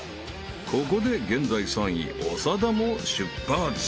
［ここで現在３位長田も出発］